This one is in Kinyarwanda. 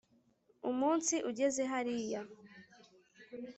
umunsi ugeze hariya :